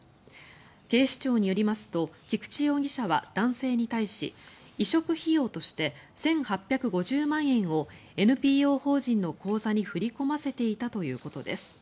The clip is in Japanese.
警視庁によりますと菊池容疑者は男性に対し移植費用として１８５０万円をＮＰＯ法人の口座に振り込ませていたということです。